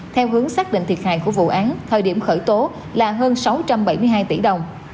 theo hướng xác định thiệt hại của vụ án thời điểm khởi tố là hơn sáu trăm bảy mươi hai tỷ đồng